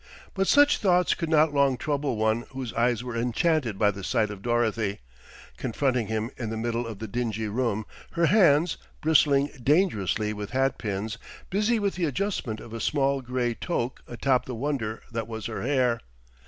But such thoughts could not long trouble one whose eyes were enchanted by the sight of Dorothy, confronting him in the middle of the dingy room, her hands, bristling dangerously with hat pins, busy with the adjustment of a small gray toque atop the wonder that was her hair.